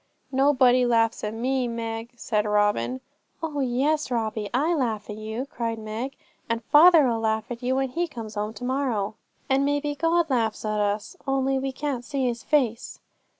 'Nobody laughs to me, Meg,' said Robin. 'Oh yes, Robbie, I laugh to you,' cried Meg; 'and father 'll laugh when he comes home to morrow; and maybe God laughs to us, only we can't see His face.'